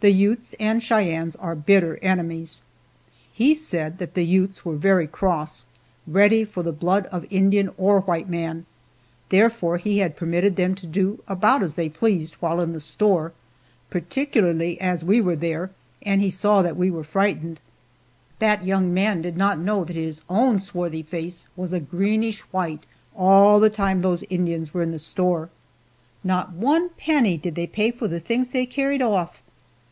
The Utes and Cheyennes are bitter enemies. He said that the Utes were very cross ready for the blood of Indian or white man therefore he had permitted them to do about as they pleased while in the store, particularly as we were there, and he saw that we were frightened. That young man did not know that his own swarthy face was a greenish white all the time those Indians were in the store! Not one penny did they pay for the things they carried off.